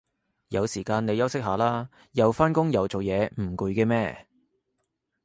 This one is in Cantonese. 有時間你休息下啦，又返工又做嘢唔攰嘅咩